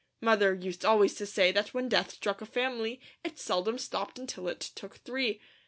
Mother used always to say that when death struck a family it seldom stopped until it took three.